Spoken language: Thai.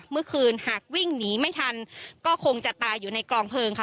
เมื่อคืนหากวิ่งหนีไม่ทันก็คงจะตายอยู่ในกลองเพลิงค่ะ